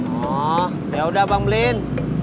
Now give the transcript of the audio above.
oh yaudah bang belin